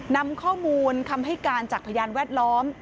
นำข้อมูลคำให้การจากพยานแวดล้อม